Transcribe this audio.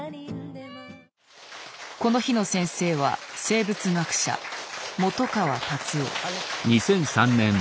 この日の先生は生物学者本川達雄。